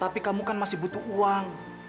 tapi kamu kan masih butuh uang